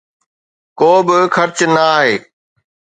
ڪو به خرچ نه آهي.